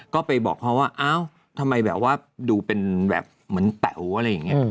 ก็ไปบอกเขาว่าอ้าวทำไมแบบว่าดูเป็นแบบเหมือนแป๋วอะไรอย่างนี้